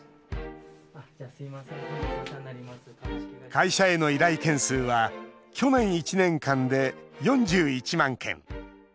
会社への依頼件数は去年１年間で４１万件。